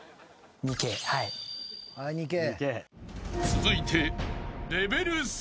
［続いて］